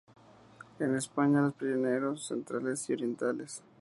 En España en los Pirineos centrales y orientales.